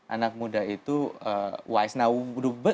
anak muda itu wise